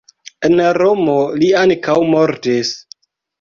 En Romo li ankaŭ mortis.